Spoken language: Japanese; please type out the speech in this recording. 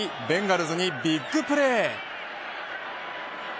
ベンガルズにビッグプレー。